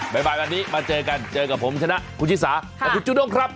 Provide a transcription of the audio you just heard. บ๊ายบายแบบนี้มาเจอกันเจอกับผมฉันนะคุณชิสาคุณจุดงครับ